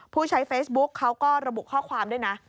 ผู้ใช้เฟซบุ๊กเขาก็ระบุข้อความด้วยนะ